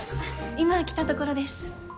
今来たところです。